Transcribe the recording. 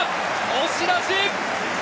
押し出し！